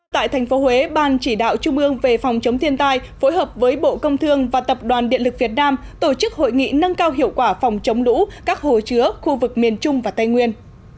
tại thành phố huế ban chỉ đạo trung ương về phòng chống thiên tai phối hợp với bộ công thương và tập đoàn điện lực việt nam tổ chức hội nghị nâng cao hiệu quả phòng chống lũ các hồ chứa khu vực miền trung và tây nguyên